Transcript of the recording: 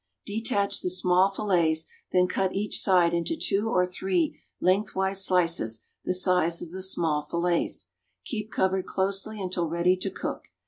Detach the small fillets, then cut each side into two or three lengthwise slices the size of the small fillets. Keep covered closely until ready to cook.